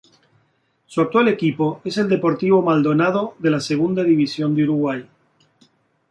Su actual equipo es el Deportivo Maldonado de la Segunda División de Uruguay.